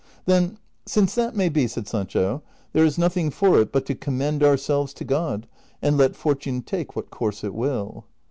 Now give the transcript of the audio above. '' Then since that may be," said Sancho, '' there is nothing for it but to commend ourseh^es to God, and let fortune take what course it will."